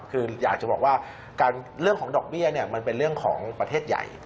คืออยากจะบอกว่าเรื่องของดอกเบี้ยเนี่ยมันเป็นเรื่องของประเทศใหญ่